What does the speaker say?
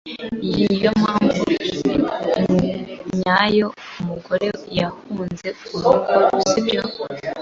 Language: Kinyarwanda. Iyo niyo mpamvu nyayo umugore yahunze urugo, sibyo?